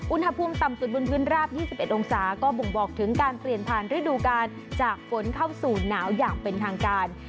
อุณหภูมิต่ำสุดบนพื้นราบ๒๑องศาก็บ่งบอกถึงการเปลี่ยนผ่านฤดูกาลจากฝนเข้าสู่หนาวอย่างเป็นทางการ